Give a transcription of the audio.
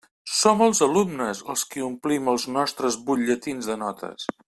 Som els alumnes els qui omplim els nostres butlletins de notes.